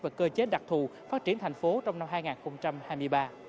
và cơ chế đặc thù phát triển thành phố trong năm hai nghìn hai mươi ba